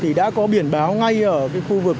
thì đã có biển báo ngay ở khu vực